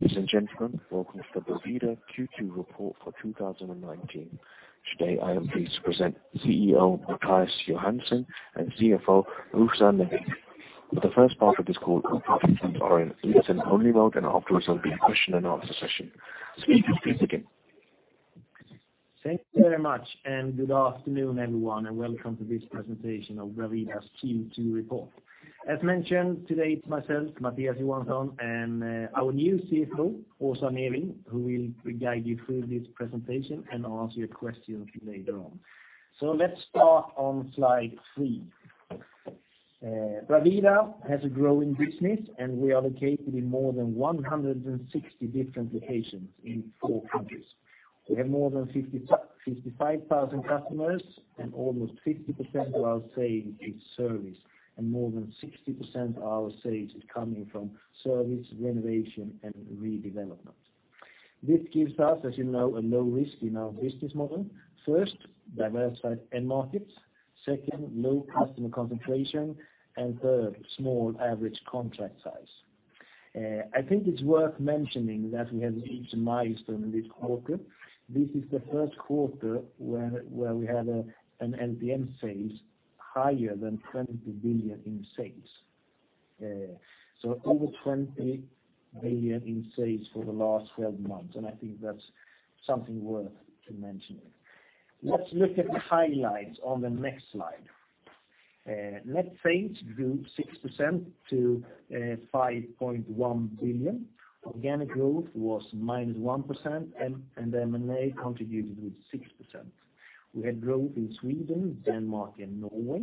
Ladies and gentlemen, welcome to the Bravida Q2 report for 2019. Today, I am pleased to present CEO, Mattias Johansson, and CFO, Åsa Neving. For the first part of this call, participants are in listen-only mode. Afterwards, there'll be a question and answer session. Speakers, please begin. Thank you very much, good afternoon, everyone, and welcome to this presentation of Bravida's Q2 report. As mentioned, today, it's myself, Mattias Johansson, and our new CFO, Åsa Neving, who will guide you through this presentation and answer your questions later on. Let's start on Slide 3. Bravida has a growing business, we are located in more than 160 different locations in four countries. We have more than 55,000 customers, almost 50% of our sales is service, more than 60% of our sales is coming from service, renovation, and redevelopment. This gives us, as you know, a low risk in our business model. First, diversified end markets, second, low customer concentration, third, small average contract size. I think it's worth mentioning that we have reached a milestone in this quarter. This is the first quarter where we had an NPM sales higher than 20 billion in sales. Over 20 billion in sales for the last 12 months, I think that's something worth to mention. Let's look at the highlights on the next slide. Net sales grew 6% to 5.1 billion. Organic growth was -1%, and the M&A contributed with 6%. We had growth in Sweden, Denmark, and Norway.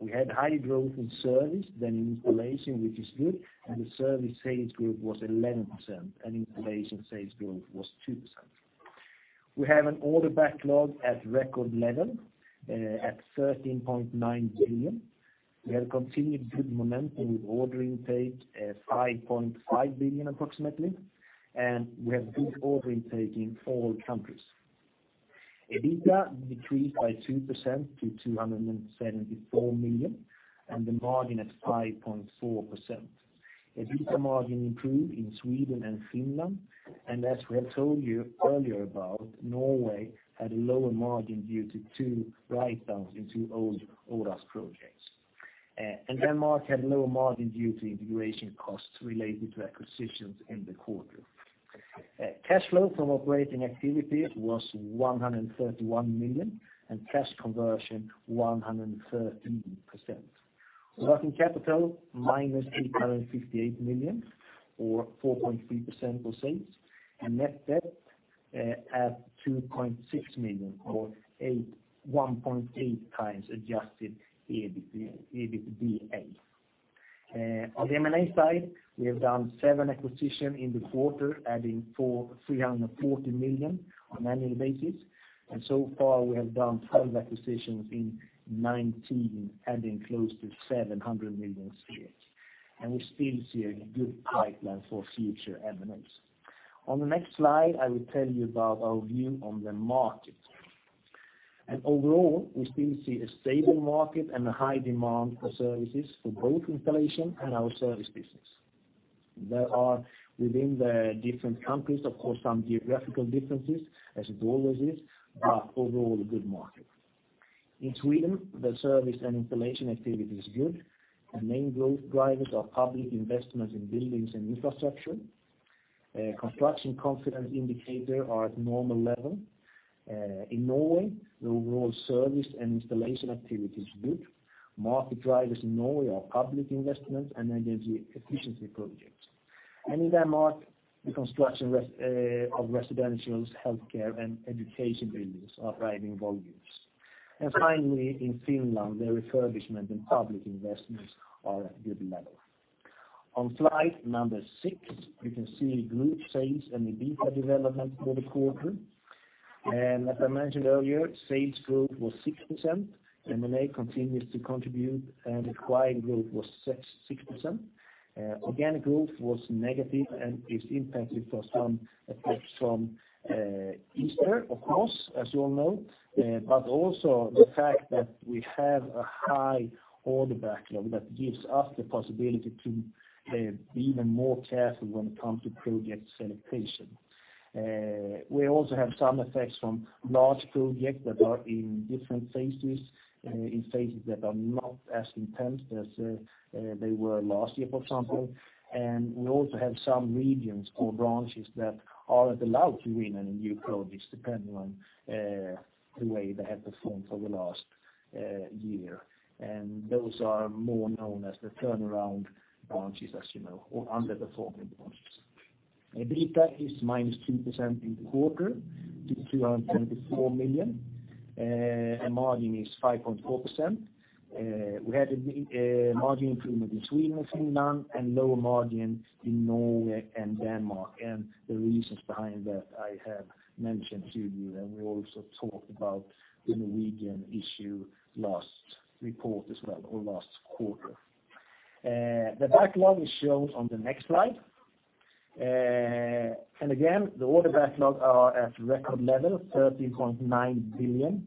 We had high growth in service than in installation, which is good. The service sales growth was 11%, installation sales growth was 2%. We have an order backlog at record level at 13.9 billion. We have continued good momentum with ordering pace at 5.5 billion, approximately. We have good order intake in all countries. EBITDA decreased by 2% to 274 million, and the margin at 5.4%. EBITDA margin improved in Sweden and Finland, and as we have told you earlier about, Norway had a lower margin due to two write-downs in two old Oras projects. Denmark had lower margin due to integration costs related to acquisitions in the quarter. cash flow from operating activity was 131 million, and cash conversion, 113%. Working capital, minus 858 million, or 4.3% of sales, and Net Debt, at 2.6 million, or 1.8 times adjusted EBITDA. On the M&A side, we have done seven acquisition in the quarter, adding 340 million on annual basis. So far, we have done 12 acquisitions in 2019, adding close to 700 million sales, and we still see a good pipeline for future M&As. On the next slide, I will tell you about our view on the market. Overall, we still see a stable market and a high demand for services for both installation and our service business. There are, within the different countries, of course, some geographical differences, as it always is. Overall, a good market. In Sweden, the service and installation activity is good. The main growth drivers are public investments in buildings and infrastructure. Construction confidence indicator are at normal level. In Norway, the overall service and installation activity is good. Market drivers in Norway are public investment and energy efficiency projects. In Denmark, the construction of residentials, healthcare, and education buildings are driving volumes. Finally, in Finland, the refurbishment and public investments are at good level. On Slide number 6, you can see group sales and EBITDA development for the quarter. As I mentioned earlier, sales growth was 6%. M&A continues to contribute, and acquired growth was 6%. Organic growth was negative and is impacted from Easter, of course, as you all know, but also the fact that we have a high order backlog that gives us the possibility to be even more careful when it comes to project selection. We also have some effects from large projects that are in different phases, in phases that are not as intense as they were last year, for example. We also have some regions or branches that aren't allowed to win any new projects, depending on the way they have performed over the last year. Those are more known as the turnaround branches, as you know, or underperforming branches. EBITDA is -2% in the quarter to 274 million, and margin is 5.4%. We had a big margin improvement in Sweden and Finland, and lower margin in Norway and Denmark, and the reasons behind that I have mentioned to you, and we also talked about the Norwegian issue last report as well, or last quarter. The backlog is shown on the next slide. Again, the order backlog are at record level, 13.9 billion,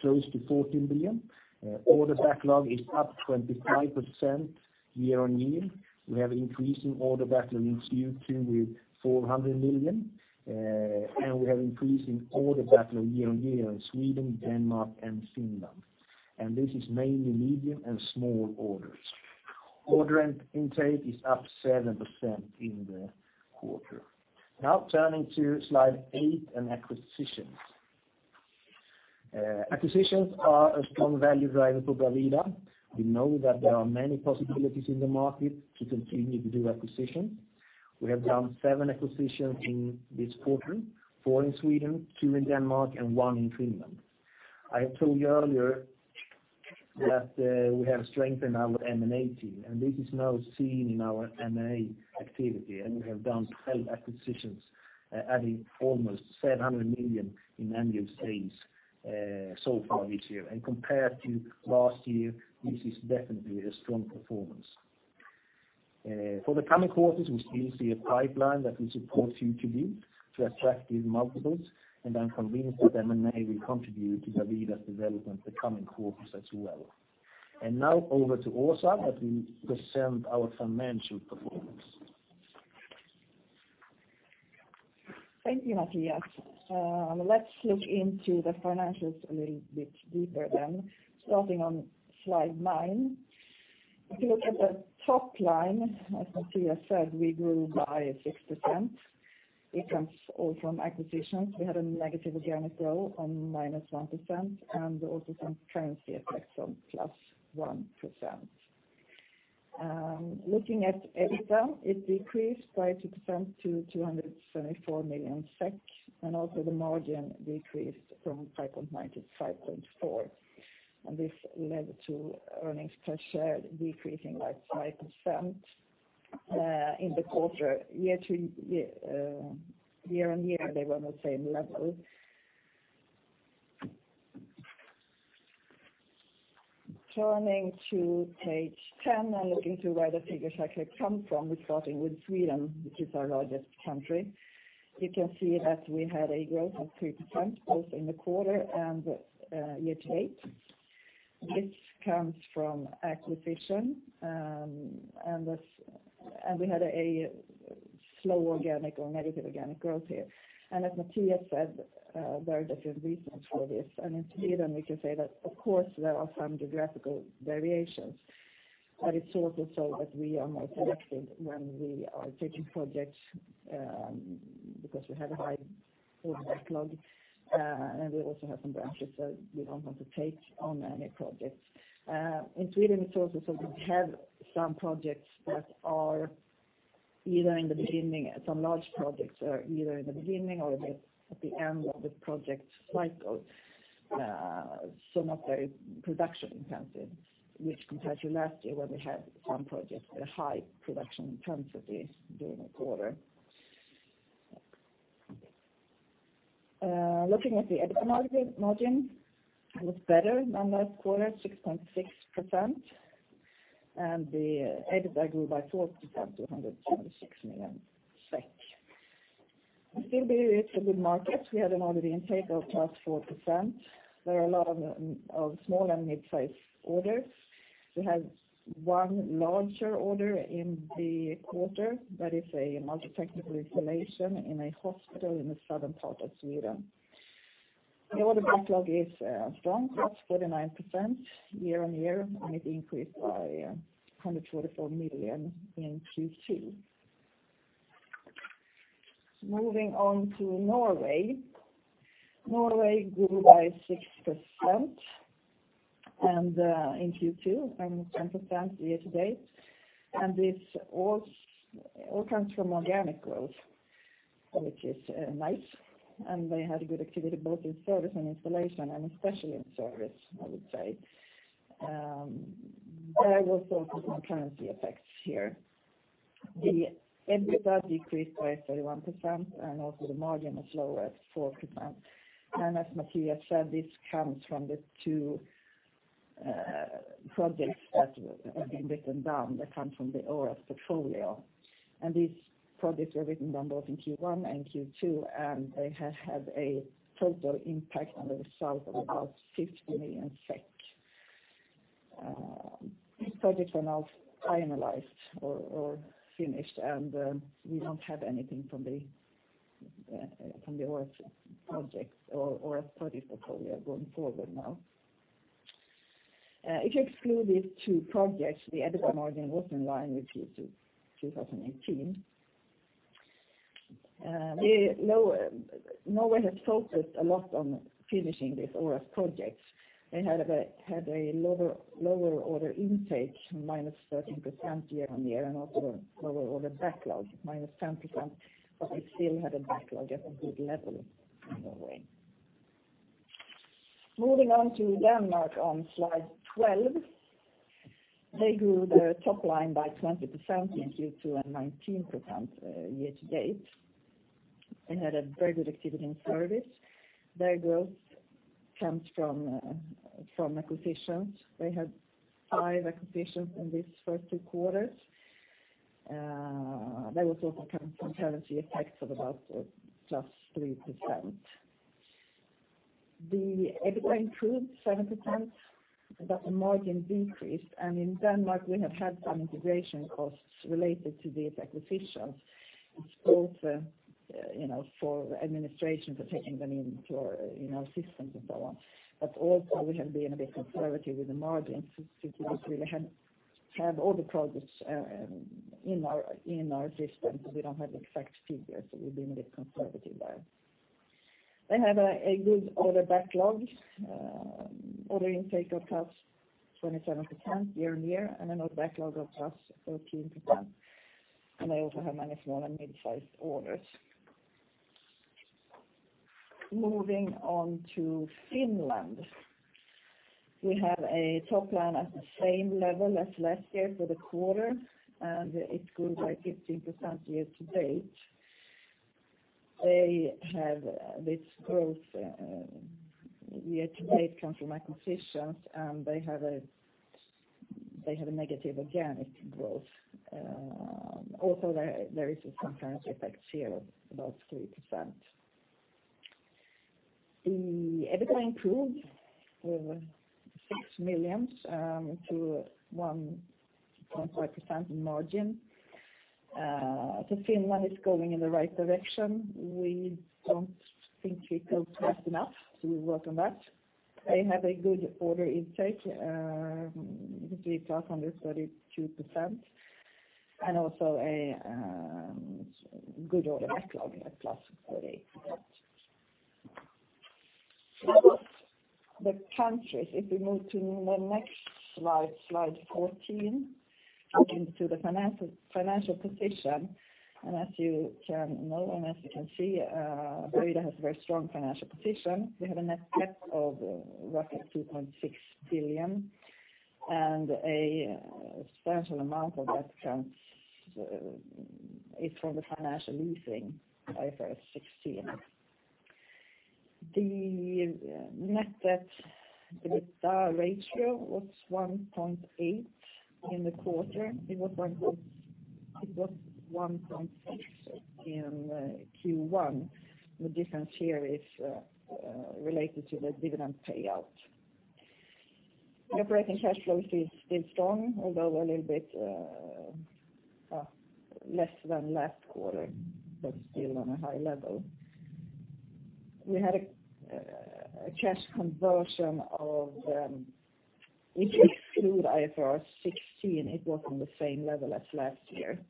close to 14 billion. Order backlog is up 25% year-on-year. We have increasing order backlog in Q2 with 400 million, and we have increase in order backlog year-on-year in Sweden, Denmark and Finland. This is mainly medium and small orders. Order intake is up 7% in the quarter. Now, turning to Slide 8 and acquisitions. Acquisitions are a strong value driver for Bravida. We know that there are many possibilities in the market to continue to do acquisitions. We have done seven acquisitions in this quarter, four in Sweden, two in Denmark, and one in Finland. I told you earlier that we have strengthened our M&A team, this is now seen in our M&A activity, we have done 12 acquisitions, adding almost 700 million in annual sales so far this year. Compared to last year, this is definitely a strong performance. For the coming quarters, we still see a pipeline that will support Q2B to attract these multiples, and I'm convinced that M&A will contribute to Bravida's development the coming quarters as well. Now over to Åsa, as we present our financial performance. Thank you, Mattias. Let's look into the financials a little bit deeper then. Starting on Slide 9. If you look at the top line, as Mattias said, we grew by 6%. It comes all from acquisitions. We had a negative organic growth on -1% and also some currency effects on +1%. Looking at EBITDA, it decreased by 2% to 274 million SEK, and also the margin decreased from 5.9 to 5.4, and this led to earnings per share decreasing by 5% in the quarter. Year-to-year, year-on-year, they were on the same level. Turning to page 10, and looking to where the figures actually come from, we're starting with Sweden, which is our largest country. You can see that we had a growth of 3%, both in the quarter and year-to-date. This comes from acquisition, and we had a slow organic or negative organic growth here. As Mattias said, there are different reasons for this, and in Sweden, we can say that, of course, there are some geographical variations, but it's also so that we are more selective when we are taking projects because we have a high order backlog, and we also have some branches, so we don't want to take on any projects. In Sweden, it's also so we have some projects that are either in the beginning, some large projects are either in the beginning or at the end of the project cycle. Not very production-intensive, which compared to last year, where we had some projects that are high production-intensity during the quarter. Looking at the EBITDA margin, it was better than last quarter, 6.6%, and the EBITDA grew by 4% to 126 million SEK. In Sweden, it's a good market. We had an order intake of +4%. There are a lot of small and mid-sized orders. We had one larger order in the quarter, that is a multi-technical installation in a hospital in the southern part of Sweden. The order backlog is strong, +49% year-over-year, and it increased by 124 million SEK in Q2. Moving on to Norway. Norway grew by 6% in Q2, and 10% year-to-date, and this all comes from organic growth, which is nice. They had a good activity both in service and installation, and especially in service, I would say. There were also some currency effects here. The EBITDA decreased by 31%. Also the margin is lower at 4%. As Mattias said, this comes from the two projects that have been written down that come from the Oras portfolio. These projects were written down both in Q1 and Q2. They have had a total impact on the result of about 50 million SEK. These projects are now finalized or finished. We don't have anything from the Oras project portfolio going forward now. If you exclude these two projects, the EBITDA margin was in line with Q2 2018. Norway has focused a lot on finishing these Oras projects. They had a lower order intake, minus 13% year-on-year, and also a lower order backlog, minus 10%. We still had a backlog at a good level in Norway. Moving on to Denmark on slide 12. They grew their top line by 20% in Q2 and 19% year-to-date. They had a very good activity in service. Their growth comes from acquisitions. We had five acquisitions in these first two quarters. There was also some currency effects of about plus 3%. The EBITDA improved 7%, but the margin decreased, and in Denmark, we have had some integration costs related to these acquisitions. It's both, you know, for administration, for taking them into our, you know, systems and so on. Also we have been a bit conservative with the margins since we really had, have all the projects in our system, so we don't have exact figures, so we've been a bit conservative there. They have a good order backlog, order intake of +27% year-on-year, and an order backlog of +13%, and they also have many small and mid-sized orders. Moving on to Finland. We have a top line at the same level as last year for the quarter, and it grew by 15% year-to-date. They have this growth year-to-date come from acquisitions, and they have a negative organic growth. Also there is some currency effects here, about 3%. The EBITDA improved 6 million to 1.5% in margin. Finland is going in the right direction. We don't think we grow fast enough, we work on that. They have a good order intake, it is +132%, and also a good order backlog at +48%. That was the countries. If we move to the next slide 14, into the financial position. As you can know, and as you can see, Bravida has a very strong financial position. We have a net debt of roughly 2.6 billion, and a substantial amount of that is from the financial leasing IFRS 16. The net debt to EBITDA ratio was 1.8 in the quarter. It was 1.6 in Q1. The difference here is related to the dividend payout. The operating cash flow is still strong, although a little bit less than last quarter, but still on a high level. We had a cash conversion of if you exclude IFRS 16, it was on the same level as last year.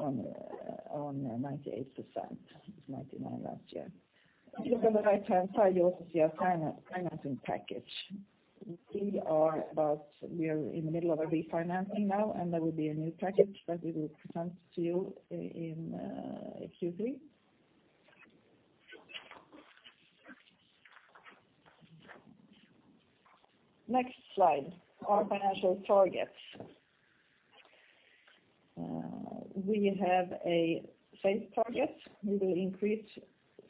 On 98%, it was 99 last year. If you look on the right-hand side, you also see our financing package. We are in the middle of a refinancing now, and there will be a new package that we will present to you in Q3. Next slide, our financial targets. We have a sales target. We will increase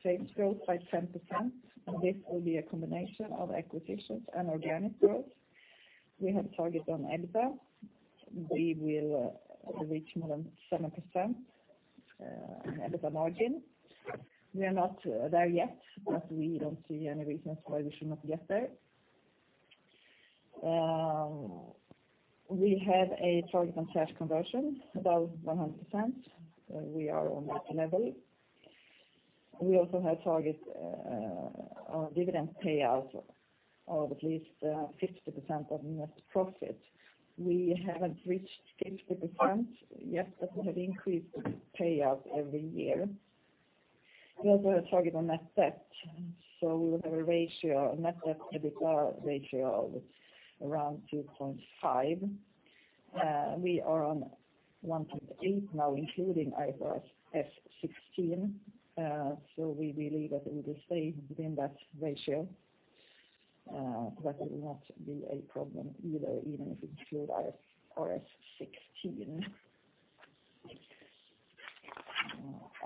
sales growth by 10%, and this will be a combination of acquisitions and organic growth. We have a target on EBITDA. We will reach more than 7% on EBITDA margin. We are not there yet, we don't see any reasons why we should not get there. We have a target on cash conversion, about 100%. We are on that level. We also have target on dividend payout of at least 50% of net profit. We haven't reached 50% yet, we have increased the payout every year. We also have a target on net debt, we want a ratio, a Net Debt to EBITDA ratio of around 2.5. We are on 1.8 now, including IFRS 16, we believe that it will stay within that ratio. That will not be a problem either, even if you include IFRS 16.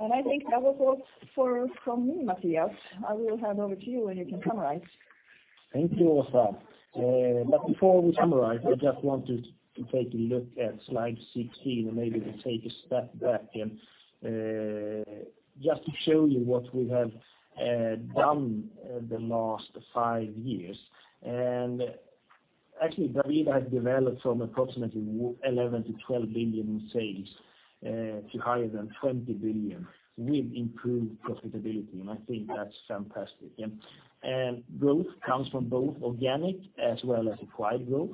I think that was all for, from me, Mattias. I will hand over to you, and you can summarize. Thank you, Åsa. Before we summarize, I just wanted to take a look at slide 16, maybe we take a step back to show you what we have done the last five years. Actually, Bravida has developed from approximately 11 billion-12 billion in sales to higher than 20 billion with improved profitability, I think that's fantastic, yeah. Growth comes from both organic as well as acquired growth.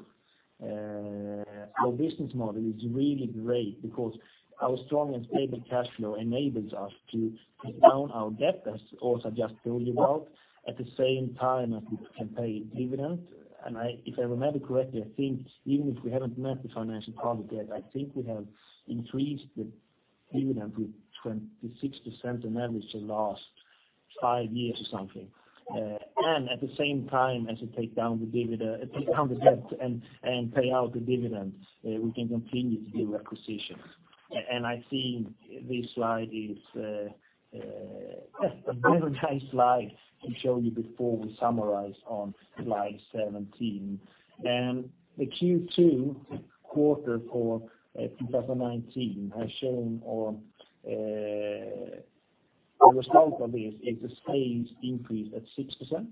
Our business model is really great because our strong and stable cash flow enables us to pay down our debt, as Åsa just told you about, at the same time as we can pay dividend. If I remember correctly, I think even if we haven't met the financial target yet, I think we have increased the dividend with 26% on average the last... five years or something. At the same time, as you take down the dividend, take down the debt and pay out the dividends, we can continue to do acquisitions. I think this slide is a very nice slide to show you before we summarize on slide 17. The Q2 quarter for 2019 has shown on, the result of this is the sales increased at 6%.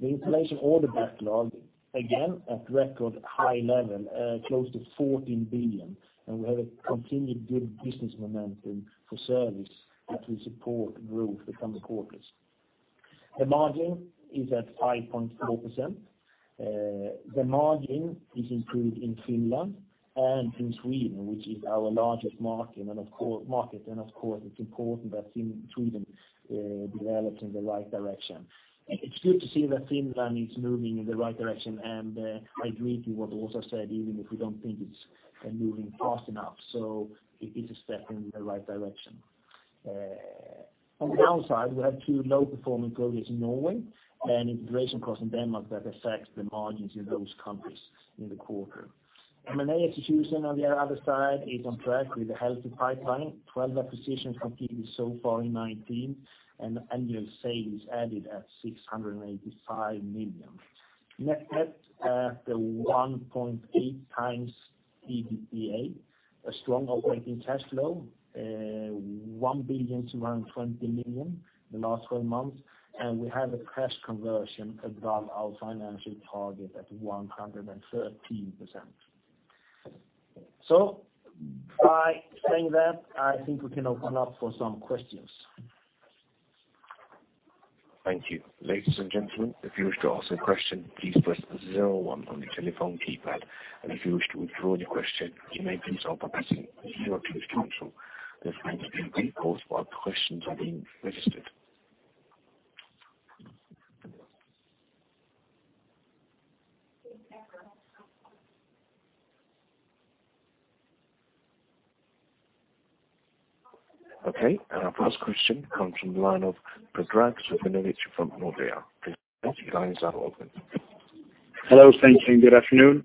The inflation order backlog, again, at record high level, close to 14 billion, and we have a continued good business momentum for service that will support growth in the coming quarters. The margin is at 5.4%. The margin is improved in Finland and in Sweden, which is our largest market, and of course, it's important that in Sweden develops in the right direction. It's good to see that Finland is moving in the right direction, I agree to what Åsa said, even if we don't think it's moving fast enough, so it is a step in the right direction. On the downside, we have two low-performing projects in Norway and integration costs in Denmark that affects the margins in those countries in the quarter. M&A execution, on the other side, is on track with a healthy pipeline. 12 acquisitions completed so far in 2019, and annual sales added at 685 million. Net, the 1.8x EBITDA, a strong operating cash flow, 1 billion to around 20 million in the last 12 months, and we have a cash conversion above our financial target at 113%. By saying that, I think we can open up for some questions. Thank you. Ladies and gentlemen, if you wish to ask a question, please press zero one on your telephone keypad, and if you wish to withdraw any question, you may please open pressing zero through to counsel. There's going to be a pause while questions are being registered. Our first question comes from the line of Predrag Savinovic from Nordea. Please, lines are open. Hello, thank you, and good afternoon.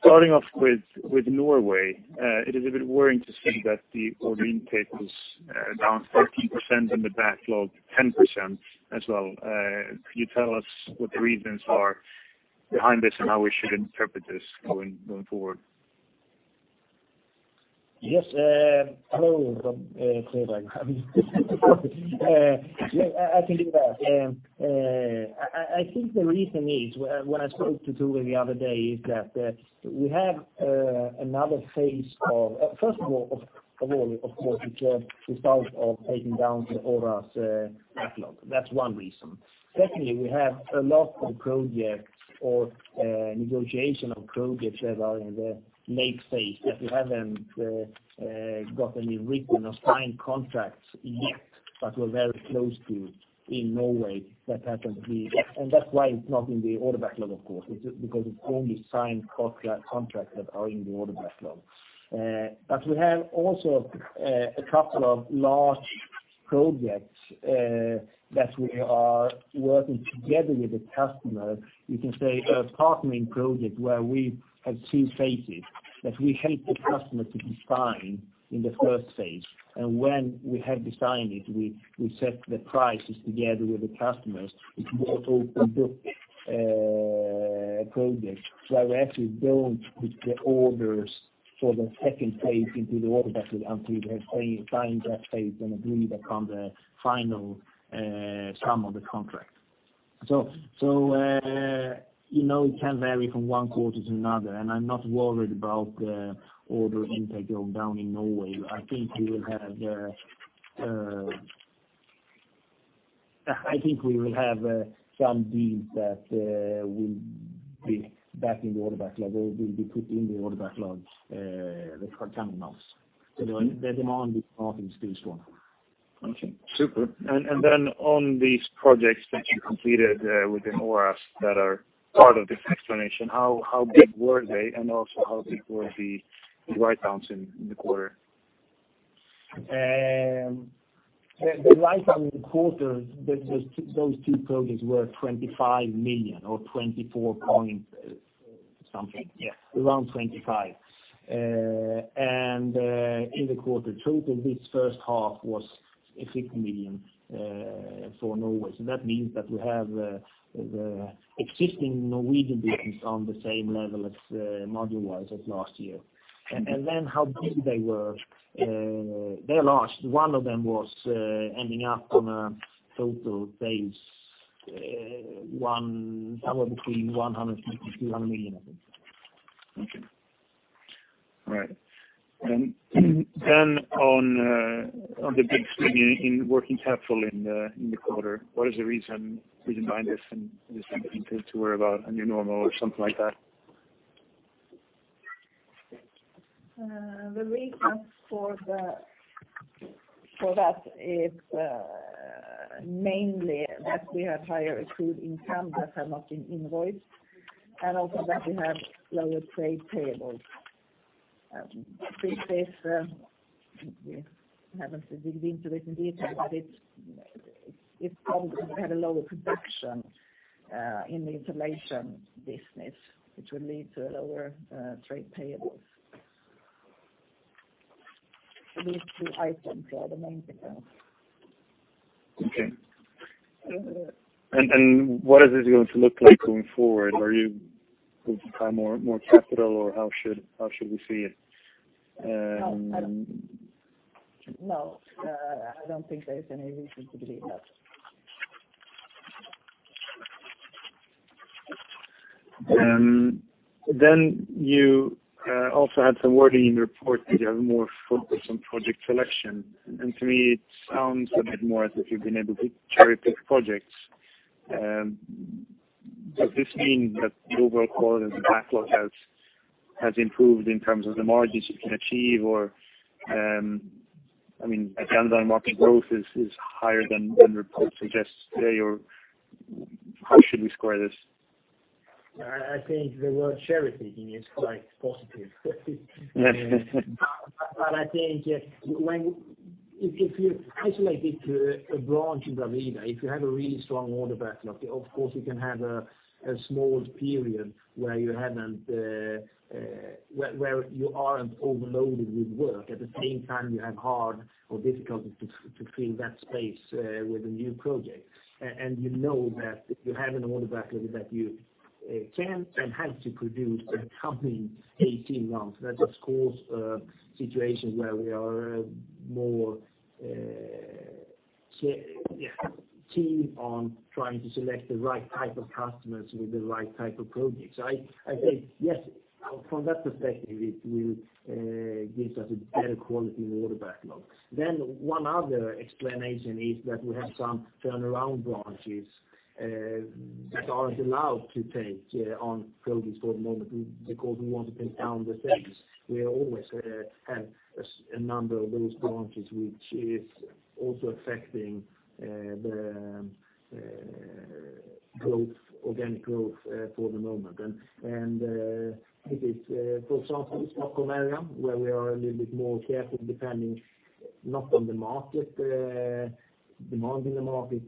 Starting off with Norway, it is a bit worrying to see that the order intake is down 13% and the backlog 10% as well. Could you tell us what the reasons are behind this and how we should interpret this going forward? Yes, hello from. Yeah, I can do that. I think the reason is, when I spoke to Ture the other day, is that we have another phase of. First of all, of course, it's a result of taking down the Oras backlog. That's one reason. Secondly, we have a lot of projects or negotiation of projects that are in the late phase, that we haven't got any written or signed contracts yet, but we're very close to in Norway that happened to be. That's why it's not in the order backlog, of course, it's just because it's only signed contracts that are in the order backlog. We have also a couple of large projects that we are working together with the customer. You can say a partnering project where we have two phases, that we help the customer to design in the first phase, and when we have designed it, we set the prices together with the customers which also project. We actually don't put the orders for the second phase into the order backlog until they have signed that phase and agreed upon the final sum of the contract. You know, it can vary from one quarter to another, and I'm not worried about the order intake going down in Norway. I think we will have some deals that will be back in the order backlog, or will be put in the order backlogs the coming months. The demand is still strong. Okay, super. Then on these projects that you completed with the Oras that are part of this explanation, how big were they? Also, how big were the write downs in the quarter? The write down in the quarter, those two projects were 25 million or 24 point something, yes, around 25. In the quarter total, this first half was 60 million for Norway. That means that we have the existing Norwegian business on the same level as module wise as last year. How big they were, they're large. One of them was ending up on a total base somewhere between 100 million-200 million, I think. Okay. All right. Then on the big swing in working capital in the, in the quarter, what is the reason behind this, and is there anything to worry about, a new normal or something like that? The reason for that is mainly that we have higher approved incomes that have not been invoiced. Also that we have lower trade payables. This is, we haven't digged into it in detail, but it's probably had a lower production in the installation business, which would lead to a lower trade payables. These two items are the main difference. Okay. What is this going to look like going forward? Are you going to tie more capital, or how should we see it? No, I don't. No, I don't think there is any reason to believe that. You also had some wording in the report that you have more focus on project selection. To me, it sounds a bit more as if you've been able to cherry-pick projects. Does this mean that the overall quality of the backlog has improved in terms of the margins you can achieve? I mean, the underlying market growth is higher than the report suggests today, or how should we square this? I think the word cherry-picking is quite positive. I think if you isolate it to a branch in Bravida, if you have a really strong order backlog, of course you can have a small period where you haven't where you aren't overloaded with work. At the same time, you have hard or difficulty to fill that space with the new projects. You know that if you have an order backlog that you can and have to produce the coming 18 months, that of course, situations where we are more keen on trying to select the right type of customers with the right type of projects. I think, yes, from that perspective, it will gives us a better quality order backlog. One other explanation is that we have some turnaround branches that aren't allowed to take on projects for the moment, because we want to bring down the sales. We always have a number of those branches, which is also affecting the growth, organic growth, for the moment. It is, for example, Stockholm area, where we are a little bit more careful, depending not on the market, demand in the market,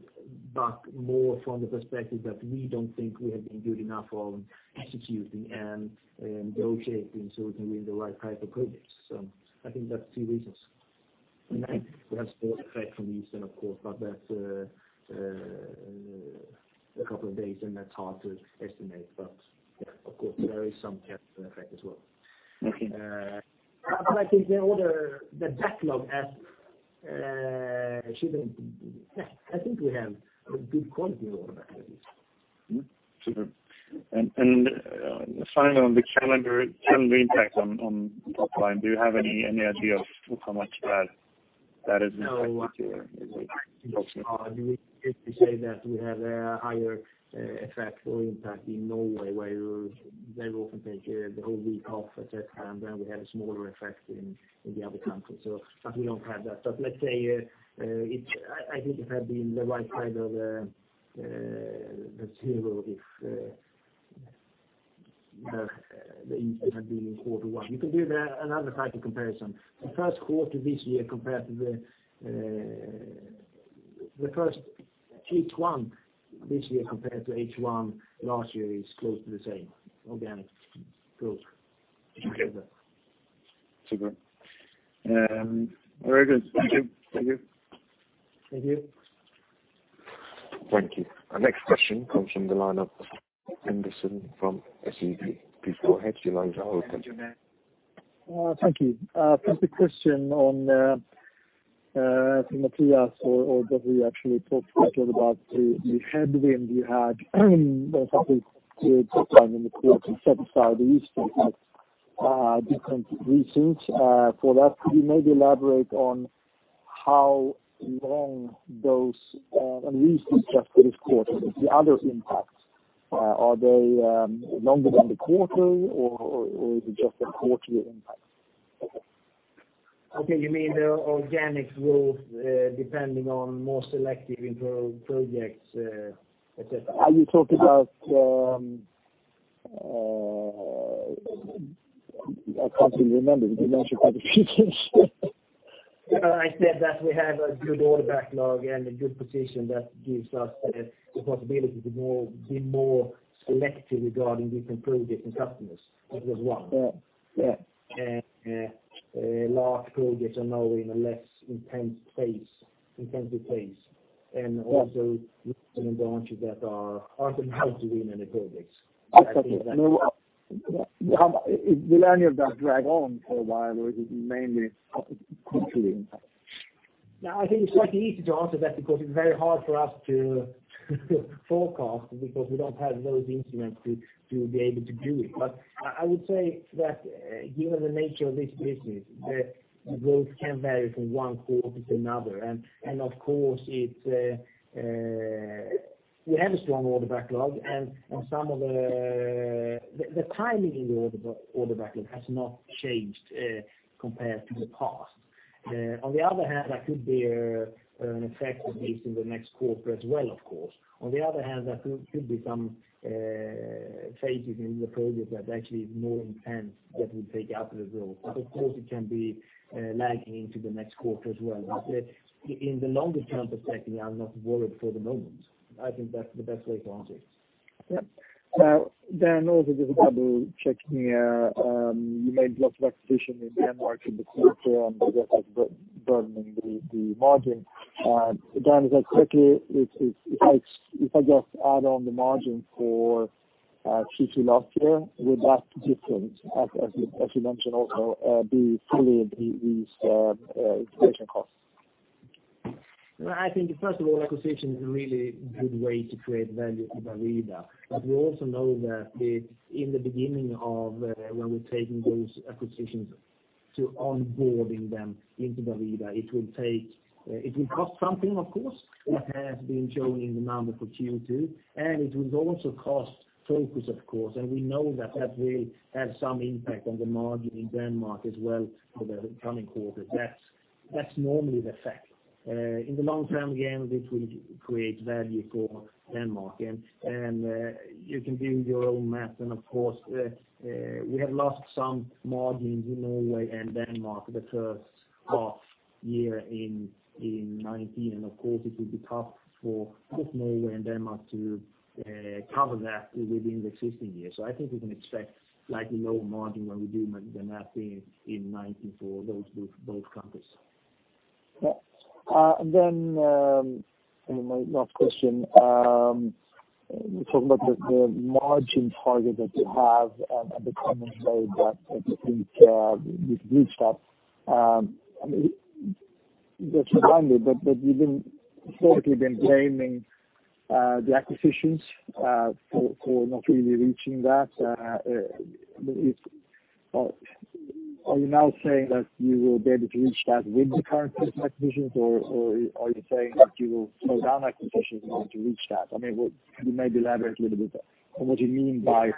but more from the perspective that we don't think we have been good enough on executing and negotiating, so we can win the right type of projects. I think that's two reasons. Okay. We have sport effect from the east, and of course, but that's a couple of days, and that's hard to estimate, but of course, there is some effect as well. Okay. I think the order, the backlog has, Yeah, I think we have a good quality order at least. Super. Finally, on the calendar impact on top line, do you have any idea of how much that is impacting you? I would simply say that we have a higher effect or impact in Norway, where they will often take the whole week off, et cetera, and then we have a smaller effect in the other countries. We don't have that. Let's say, I think it had been the right side of the zero if the had been in quarter one. You can do the another type of comparison. The first quarter this year compared to the first H1 this year compared to H1 last year is close to the same organic growth. Okay. Super. Very good. Thank you. Thank you. Thank you. Thank you. Our next question comes from the line of Stefan Andersson from SEB. Please go ahead. Your lines are open. Thank you. First a question on Mattias, or Gary actually talked a little about the headwind you had in the first quarter, different reasons for that. Could you maybe elaborate on how long those, at least just for this quarter, the other impacts, are they longer than the quarter, or is it just a quarterly impact? Okay, you mean the organic growth, depending on more selective in projects, et cetera? Are you talking about, I can't remember. You mentioned a few things. I said that we have a good order backlog and a good position that gives us the possibility to be more selective regarding different projects and customers. That was one. Yeah. Yeah. Large projects are now in a less intense phase, intensive phase. Yeah. Also branches that aren't allowed to win any projects. Okay. Will any of that drag on for a while, or is it mainly quarterly impact? I think it's quite easy to answer that, because it's very hard for us to forecast, because we don't have those instruments to be able to do it. I would say that, given the nature of this business, the growth can vary from one quarter to another. Of course, it's, we have a strong order backlog, and some of the timing in the order backlog has not changed compared to the past. On the other hand, that could be an effect at least in the next quarter as well, of course. On the other hand, that could be some phases in the project that actually is more intense, that will take out the growth. Of course, it can be lagging into the next quarter as well. In the longer term perspective, I'm not worried for the moment. I think that's the best way to answer it. Also just double check here, you made a lot of acquisition in Denmark in the quarter, and that has burdening the margin. Quickly, if I just add on the margin for Q2 last year, would that different, as you mentioned, also, be fully these integration costs? I think, first of all, acquisition is a really good way to create value to Bravida. We also know that the, in the beginning of, when we're taking those acquisitions to onboarding them into Bravida, it will cost something, of course. It has been shown in the number for Q2, and it will also cost focus, of course, and we know that that will have some impact on the margin in Denmark as well for the coming quarter. That's normally the effect. In the long term, again, this will create value for Denmark. You can do your own math, and of course, we have lost some margins in Norway and Denmark the first half year in 2019, and of course, it will be tough for both Norway and Denmark to cover that within the existing year. I think we can expect slightly lower margin when we do the mapping in 2019 for those both countries. My last question. You talked about the margin target that you have, and at the current rate that I think, with good stuff, I mean, that's abandoned, but you've been, sort of, you've been blaming the acquisitions for not really reaching that. Are you now saying that you will be able to reach that with the current acquisitions, or are you saying that you will slow down acquisitions in order to reach that? I mean, can you maybe elaborate a little bit on what you mean by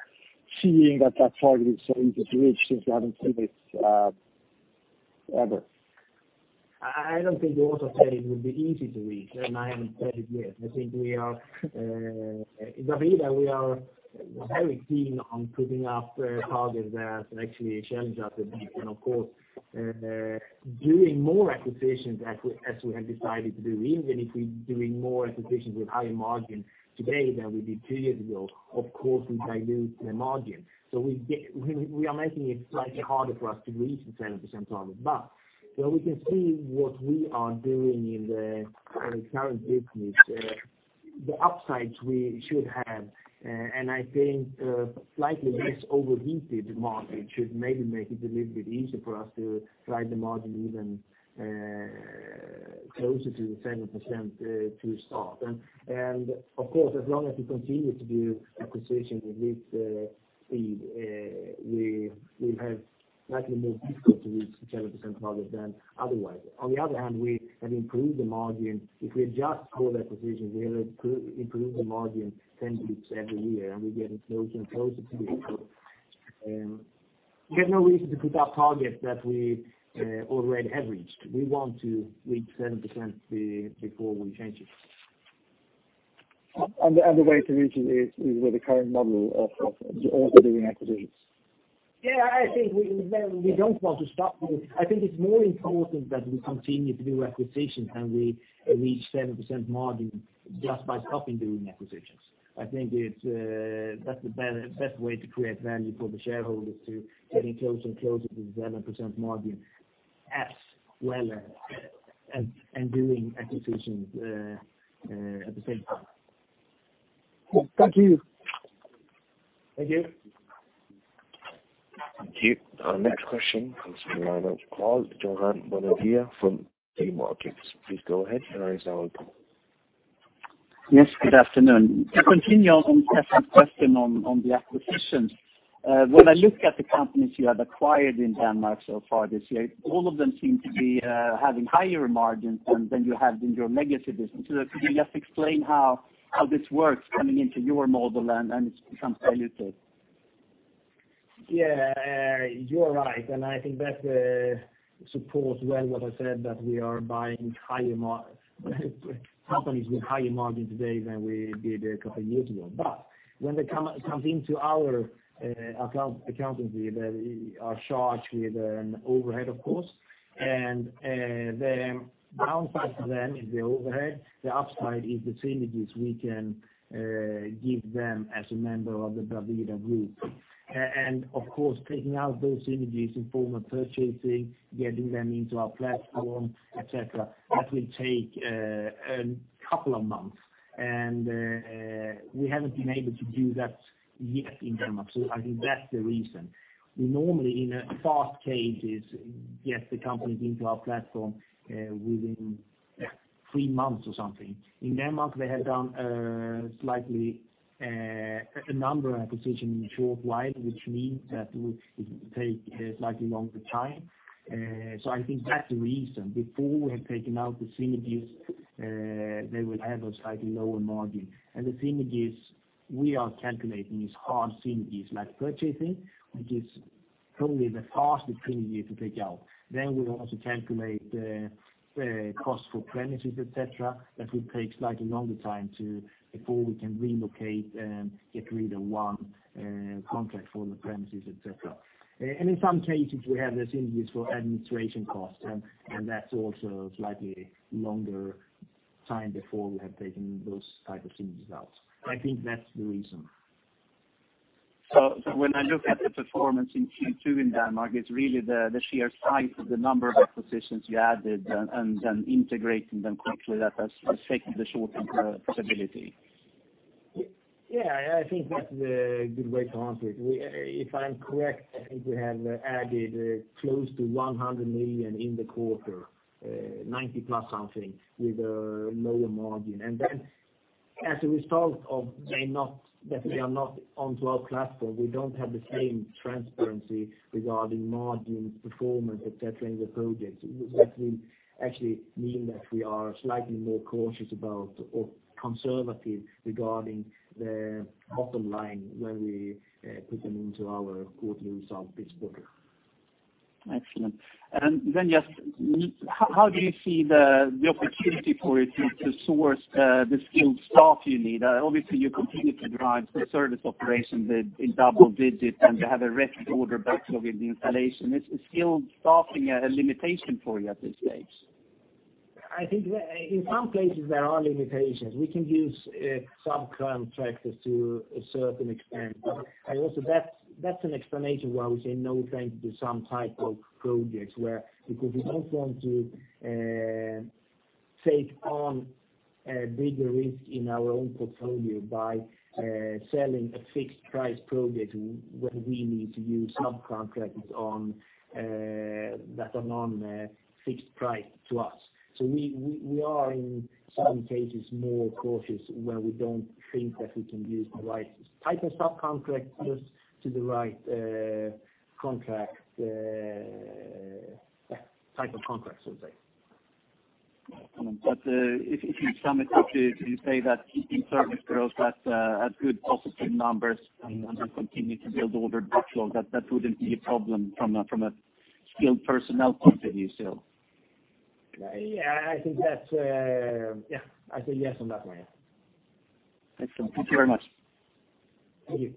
seeing that target is so easy to reach since you haven't seen it, ever? I don't think we also said it would be easy to reach, and I haven't said it yet. I think we are in Bravida, we are very keen on putting up targets that are actually a challenge at the peak. Of course, doing more acquisitions as we have decided to do, even if we're doing more acquisitions with higher margin today than we did two years ago, of course, we dilute the margin. We are making it slightly harder for us to reach the 7% target. Where we can see what we are doing in the current business, the upsides we should have, I think slightly less overheated market should maybe make it a little bit easier for us to drive the margin even closer to the 7% to start. Of course, as long as we continue to do acquisitions with this speed, we have slightly more difficult to reach the 7% target than otherwise. On the other hand, we have improved the margin. If we adjust for the acquisitions, we have improved the margin 10 basis points every year, and we're getting closer and closer to it. We have no reason to put up targets that we already have reached. We want to reach 7% before we change it. The way to reach it is with the current model of also doing acquisitions? Yeah, I think we, well, we don't want to stop. I think it's more important that we continue to do acquisitions. We reach 7% margin just by stopping doing acquisitions. I think it's that's the best way to create value for the shareholders to getting closer and closer to the 7% margin as well as, and doing acquisitions at the same time. Cool. Thank you. Thank you. Thank you. Our next question comes from the line of Karl-Johan Bonnevier from DNB Markets. Please go ahead, your line is now open. Good afternoon. To continue on Stefan's question on the acquisitions, when I look at the companies you have acquired in Denmark so far this year, all of them seem to be having higher margins than you have in your legacy business. Could you just explain how this works coming into your model and becomes diluted? Yeah, you are right. I think that supports well what I said, that we are buying higher companies with higher margin today than we did a couple of years ago. When they come into our accounting, they are charged with an overhead, of course, and the downside to them is the overhead. The upside is the synergies we can give them as a member of the Bravida Group. Of course, taking out those synergies in form of purchasing, getting them into our platform, et cetera, that will take a couple of months. We haven't been able to do that yet in Denmark. I think that's the reason. We normally, in a fast case, get the company into our platform within three months or something. In Denmark, they have done a number of acquisitions in a short while, which means that it will take a slightly longer time. I think that's the reason. Before we have taken out the synergies, they would have a slightly lower margin. The synergies we are calculating are hard synergies, like purchasing, which is probably the fastest synergy to take out. We also calculate the cost for premises, et cetera, that will take slightly longer time before we can relocate and get rid of one contract for the premises, et cetera. In some cases, we have the synergies for administration costs, and that's also a slightly longer time before we have taken those type of synergies out. I think that's the reason. When I look at the performance in Q2 in Denmark, it's really the sheer size of the number of acquisitions you added and then integrating them quickly that has taken the short-term profitability. Yeah, I think that's a good way to answer it. If I'm correct, I think we have added close to 100 million in the quarter, 90-plus something with a lower margin. As a result of that they are not on our platform, we don't have the same transparency regarding margin performance, et cetera, in the projects, which actually mean that we are slightly more cautious about or conservative regarding the bottom line when we put them into our quarterly results this quarter. Excellent. Then just, how do you see the opportunity for you to source the skilled staff you need? Obviously, you continue to drive the service operation in double digits, and you have a record order backlog in the installation. Is skilled staffing a limitation for you at this stage? I think in some places there are limitations. We can use subcontractors to a certain extent, but and also that's an explanation why we say no, thank you to some type of projects where... We don't want to take on a bigger risk in our own portfolio by selling a fixed price project when we need to use subcontractors on that are on a fixed price to us. We are in some cases more cautious where we don't think that we can use the right type of subcontract, just to the right contract type of contract, I would say. If you sum it up, you say that keeping service growth at good positive numbers and continue to build order backlog, that wouldn't be a problem from a skilled personnel point of view, still? Yeah, I think that's. Yeah, I say yes, on that one. Excellent. Thank you very much. Thank you.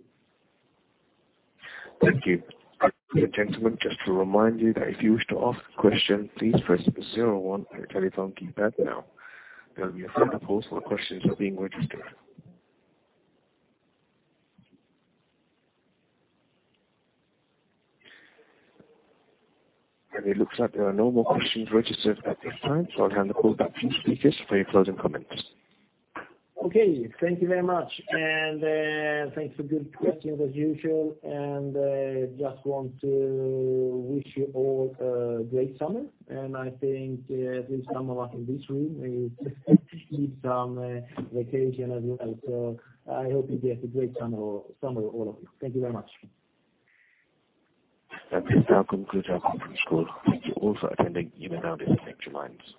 Thank you. Gentlemen, just to remind you that if you wish to ask a question, please press 0 on your telephone keypad now. There'll be a further pause for questions are being registered. It looks like there are no more questions registered at this time, so I'll hand the call back to the speakers for your closing comments. Okay. Thank you very much. Thanks for good questions as usual. Just want to wish you all a great summer, and I think, at least some of us in this room, need some vacation as well. I hope you get a great summer, all of you. Thank you very much. That just now concludes our conference call. Thank you all for attending, even though there's thank you mind.